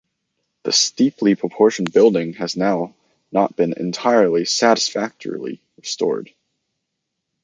The steeply proportioned building has now been not entirely satisfactorily restored.